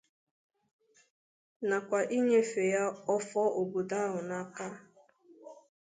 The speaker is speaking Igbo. nakwa inyefè ya ọfọ obodo ahụ n'aka